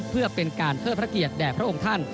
เพื่อเป็นการเทิดพระเกียรติแด่พระองค์ท่าน